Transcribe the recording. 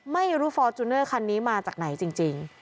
ไม่รู้ฟอร์จูเนอร์คันนี้มาจากไหนจริง